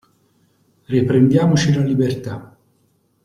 Riprendiamoci la libertà!